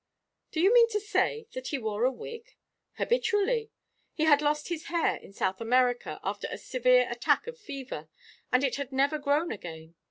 "Do you mean to say that he wore a wig?" "Habitually. He had lost his hair in South America after a severe attack of fever, and it had never grown again.